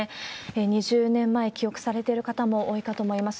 ２０年前、記憶されてる方も多いかと思います。